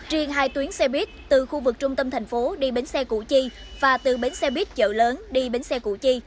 riêng hai tuyến xe buýt từ khu vực trung tâm thành phố đi bến xe củ chi và từ bến xe buýt chợ lớn đi bến xe củ chi